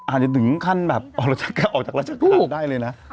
อาจจะถึงขั้นออกจากรัจกราบได้เลยนะ